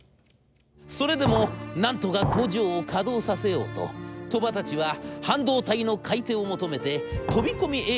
それでもなんとか工場を稼働させようと鳥羽たちは半導体の買い手を求めて飛び込み営業に奔走いたします。